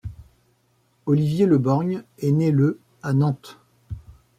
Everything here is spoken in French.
Olivier Leborgne est né le à Nantes.